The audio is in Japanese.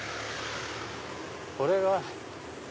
これが。